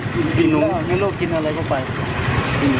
กินอิ๋นแล้วอ่ะนั่นลูกกินอะไรก็ไป